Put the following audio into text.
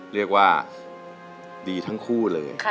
เรียกว่าดีทั้งคู่เลย